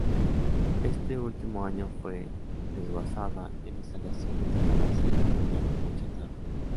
Ese último año fue desguazada en instalaciones de la Base y vendida como chatarra.